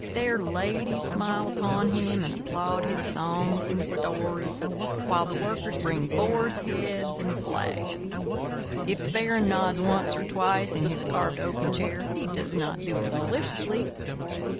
There ladies smile upon him and applaud his songs and stories, while the Workers bring boars' heads and flagons. If the Baron nods once or twice in his carved oaken chair, he does not do it maliciously.